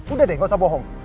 udah deh nggak usah bohong